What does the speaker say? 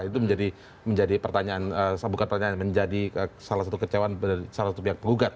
itu menjadi pertanyaan bukan pertanyaan menjadi salah satu kecewaan dari salah satu pihak penggugat